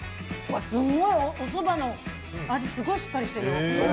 おそばの味すごいしっかりしてる。